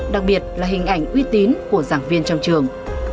đặc biệt là hình ảnh uy tín của giảng viên trong trường